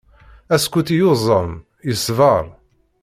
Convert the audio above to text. Askuti yuẓam, yesber.